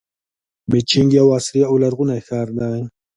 بیجینګ یو عصري او لرغونی ښار دی.